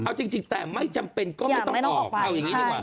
เอาจริงแต่ไม่จำเป็นก็ไม่ต้องบอกเอาอย่างนี้ดีกว่า